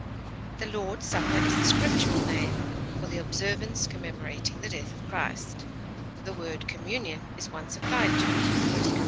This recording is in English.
The Lord's Supper is the Scriptural name for the observance commemorating the death of Christ; the word communion is once applied to it (_1 Cor.